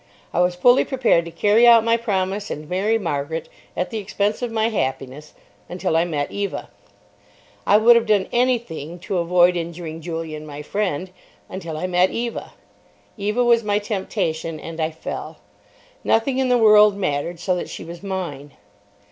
I was fully prepared to carry out my promise and marry Margaret, at the expense of my happiness—until I met Eva. I would have done anything to avoid injuring Julian, my friend, until I met Eva. Eva was my temptation, and I fell. Nothing in the world mattered, so that she was mine.